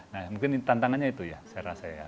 nah mungkin tantangannya itu ya saya rasa ya